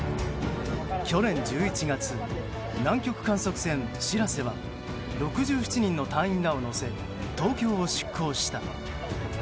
去年１１月南極観測船「しらせ」は６７人の隊員らを乗せ東京を出港した。